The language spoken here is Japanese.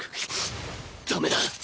ダメだ！！